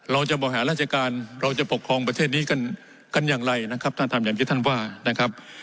เราจะบริหารราชการเราจะปกครองประเทศนี้กันอย่างไรนะครับท่านทำอย่างที่ท่านว่านะครับ